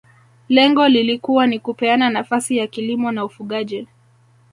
Lengo lilikuwa ni kupeana nafasi ya kilimo na ufugaji